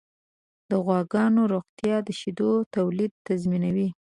د غواګانو روغتیا د شیدو تولید تضمینوي.